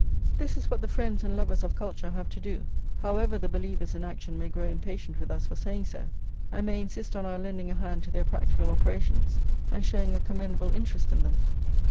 This is what the friends and lovers of culture have to do, however the believers in action may grow impatient with us for saying so, and may insist on our lending a hand to their practical operations, and showing a commendable interest in them.